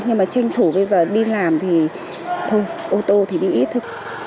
nhưng mà tranh thủ bây giờ đi làm thì thôi ô tô thì đi ít thôi